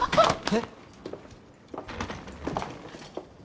えっ？